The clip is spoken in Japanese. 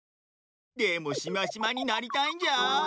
でもしましまになりたいんじゃ。